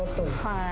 はい。